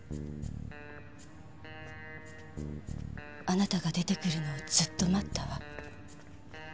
〔あなたが出てくるのをずっと待ったわ〕